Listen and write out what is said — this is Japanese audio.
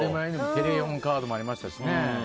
テレフォンカードもありましたしね。